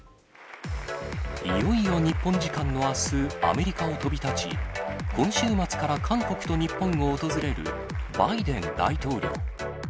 いよいよ日本時間のあす、アメリカを飛び立ち、今週末から韓国と日本を訪れるバイデン大統領。